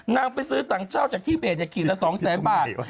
นางไปซื้อถังเช่าจากที่เบสเนี่ยขีดละสองแสนบาท